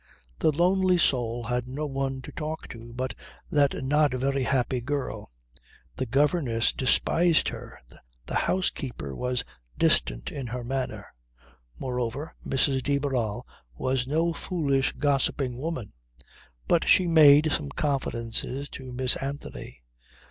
The lonely soul had no one to talk to but that not very happy girl. The governess despised her. The housekeeper was distant in her manner. Moreover Mrs. de Barral was no foolish gossiping woman. But she made some confidences to Miss Anthony.